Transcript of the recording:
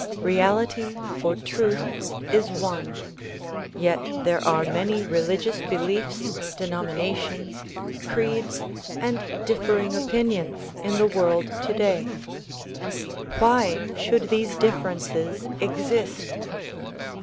Reality or truth is one, yet there are many religious beliefs, denominations, creeds and differing opinions in the world today. Why should these differences exist?